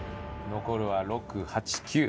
残るは６８９。